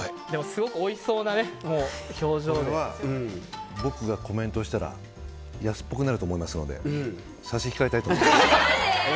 すごくおいしそうなこれは僕がコメントしたら安っぽくなると思いますので差し控えたいと思います。